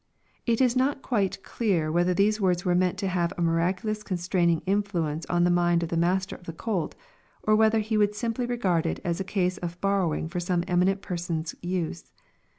] It is not quite clear whethei the«« words were meant to have a miraculous constraining influ* ence on the mind of the master of the colt, or whether he woulo simp ly regard it as a case of borrowing for some eminent person*f use.